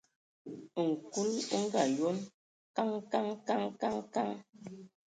Nkul o ngaayon: Kəŋ, kəŋ, kəŋ, kəŋ, kəŋ!.